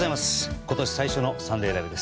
今年最初の「サンデーＬＩＶＥ！！」です。